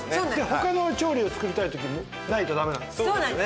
他の調理を作りたい時ないとダメなんですよ。